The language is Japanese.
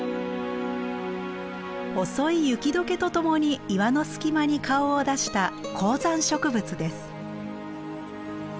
遅い雪解けとともに岩の隙間に顔を出した高山植物です。